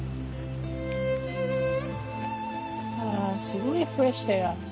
あすごいフレッシュエア。